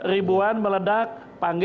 dan juga pemanah pandok